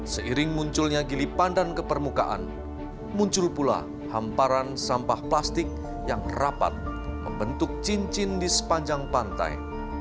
seiring munculnya gili pandan ke permukaan muncul pula hamparan sampah plastik yang rapat membentuk cincin di sepanjang pantai